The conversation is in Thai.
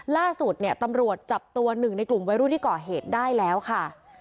ล่าสุดเนี่ยตำรวจจับตัวหนึ่งในกลุ่มวัยรุ่นที่ก่อเหตุได้แล้วค่ะ